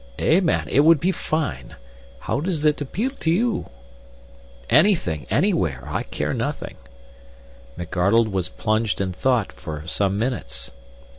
Eh, man, it would be fine. How does it appeal to you?" "Anything anywhere I care nothing." McArdle was plunged in thought for some minutes.